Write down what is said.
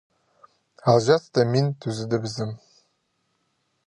Алҷаасты мин тӱзедібізем.